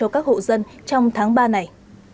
các hộ dân trong tháng ba này